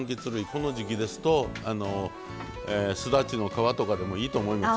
この時季ですとすだちの皮とかでもいいと思いますけどね。